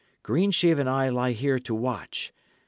Greensheve and I lie here to watch.